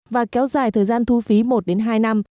và kéo dài thời gian thu phí một hai năm